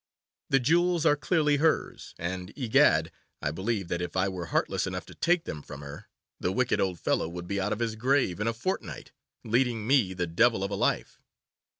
The jewels are clearly hers, and, egad, I believe that if I were heartless enough to take them from her, the wicked old fellow would be out of his grave in a fortnight, leading me the devil of a life.